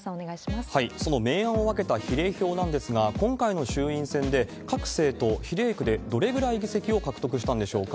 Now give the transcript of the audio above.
その明暗を分けた比例票なんですが、今回の衆院選で、各政党、比例区でどれぐらい議席を獲得したんでしょうか。